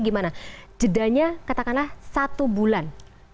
gimana jedanya katakanlah satu bulan